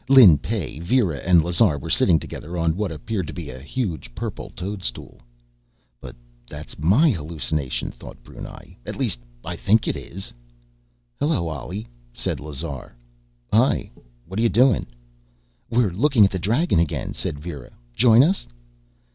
Lin Pey, Vera, and Lazar were sitting together, on what appeared to be a huge purple toadstool. But that's my hallucination, thought Brunei. At least, I think it is. "Hello Ollie," said Lazar. "Hi. What're you doing?" "We're looking at the dragon again," said Vera. "Join us?"